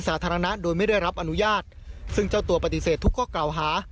ซึ่งไม่ได้รับอนุญาตซึ่งเจ้าตัวปฏิเสธทุกข้อกล่าวหา